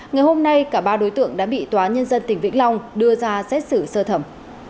ngày hôm nay cả ba đối tượng đã bị tòa nhân dân tỉnh vĩnh long đưa ra xét xử sơ thẩm